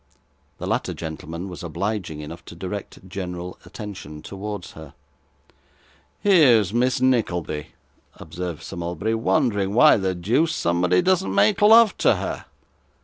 The latter gentleman was obliging enough to direct general attention towards her. 'Here is Miss Nickleby,' observed Sir Mulberry, 'wondering why the deuce somebody doesn't make love to her.